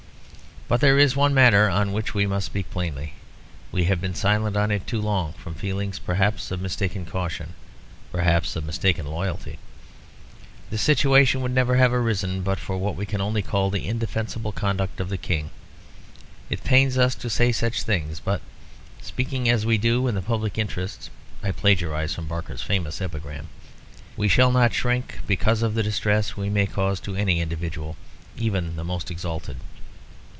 But there is one matter on which we must speak plainly. We have been silent on it too long, from feelings, perhaps of mistaken caution, perhaps of mistaken loyalty. This situation would never have arisen but for what we can only call the indefensible conduct of the King. It pains us to say such things, but, speaking as we do in the public interests (I plagiarise from Barker's famous epigram), we shall not shrink because of the distress we may cause to any individual, even the most exalted.